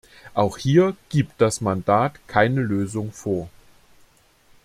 Auch hier gibt das Mandat keine Lösung vor.